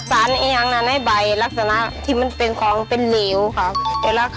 แต้อยากให้ใบลักษณะที่มันเป็นของเป็นได้ความหรือเป็นเลี่ยวค่ะ